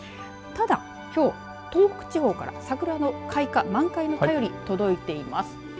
ただ、きょう東北地方から桜の開花満開の便り、届いています。